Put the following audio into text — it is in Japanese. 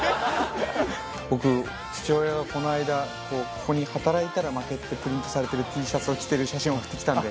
僕父親がこの間ここに「働いたら負け」ってプリントされてるＴシャツを着てる写真を送って来たんで。